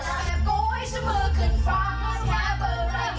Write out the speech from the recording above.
สวัสดีค่ะคุณผู้ชมค่ะวันนี้ฮาปัสพามาถึงจากกันอยู่ที่ยา